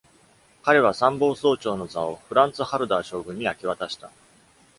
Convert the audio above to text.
彼は参謀総長の座をフランツ・ハルダー将軍に明け渡した。